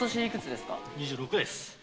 ２６です。